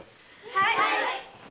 はい！